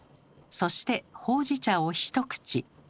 そしてほうじ茶を一口。